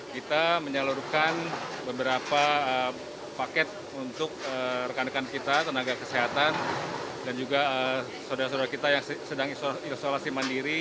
kita menyalurkan beberapa paket untuk rekan rekan kita tenaga kesehatan dan juga saudara saudara kita yang sedang isolasi mandiri